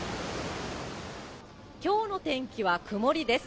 きょうの天気は曇りです。